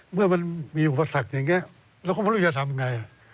เมื่อมันมีอุปสรรคอย่างนี้เราก็ไม่รู้จะทำไง